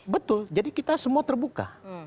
betul jadi kita semua terbuka